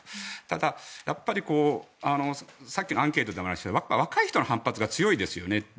ただ、やっぱりさっきのアンケートでもありましたけど若い人の反発が強いですよね。